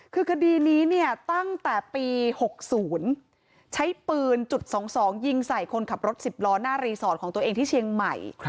คือคดีนี้เนี่ยตั้งแต่ปี๖๐ใช้ปืนจุด๒๒ยิงใส่คนขับรถ๑๐ล้อหน้ารีสอร์ทของตัวเองที่เชียงใหม่